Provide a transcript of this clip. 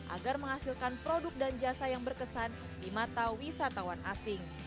agar menghasilkan produk dan jasa yang berkesan di mata wisatawan asing